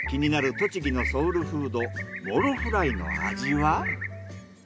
栃木のソウルフードモロフライの味は？